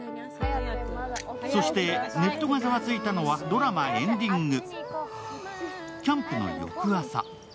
そして、ネットがざわついたのはドラマエンディング。